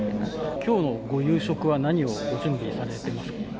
きょうのご夕食は何をご準備されてますか。